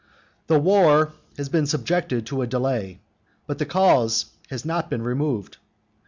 The war has been subjected to a delay, but the cause has not been removed.